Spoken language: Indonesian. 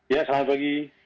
ya selamat pagi